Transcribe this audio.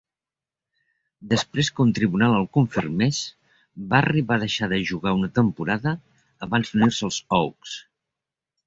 Després que un tribunal el confirmés, Barry va deixar de jugar una temporada abans d'unir-se als Oaks.